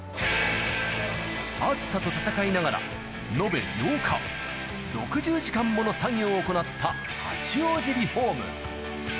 暑さと戦いながら延べ８日、６０時間もの作業を行った八王子リホーム。